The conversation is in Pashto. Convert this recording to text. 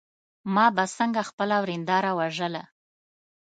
ما به څنګه خپله ورېنداره وژله.